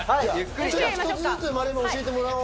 一つずつ、丸山教えてもらおう。